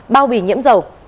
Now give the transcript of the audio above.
bao bì nhiễm dầu